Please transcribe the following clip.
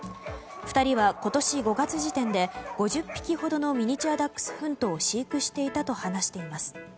２人は今年５月時点で５０匹ほどのミニチュアダックスフントを飼育していたと話しています。